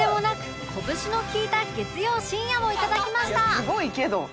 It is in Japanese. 「いやすごいけど」